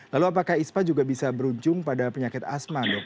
lalu apakah ispa juga bisa berujung pada penyakit asma dok